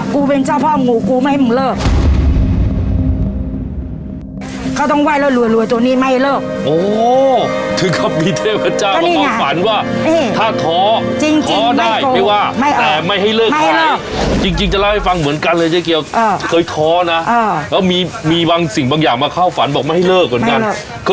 เป็นเจ้าพ่องูกูไม่ให้มึงเลิกใคร